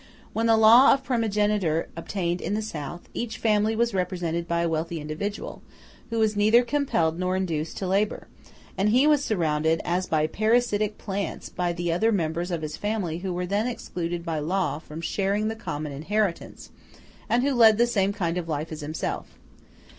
When the law of primogeniture obtained in the South, each family was represented by a wealthy individual, who was neither compelled nor induced to labor; and he was surrounded, as by parasitic plants, by the other members of his family who were then excluded by law from sharing the common inheritance, and who led the same kind of life as himself.